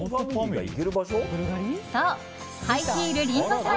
そう、ハイヒール・リンゴさん。